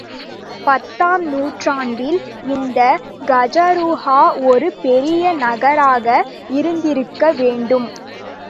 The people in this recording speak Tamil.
பத்தாம் நூற்றாண்டில் இந்த கஜுராஹோ ஒரு பெரிய நகராக இருந்திருக்க வேண்டும்.